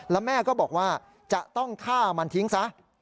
แล้วแม่ก็บอกว่าจะต้องฆ่ามันทิ้งซะ